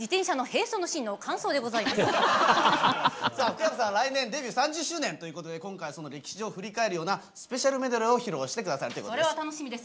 福山さんは来年デビュー３０周年ということで今回はその歴史を振り返るようなスペシャルメドレーを披露してくださるそうです。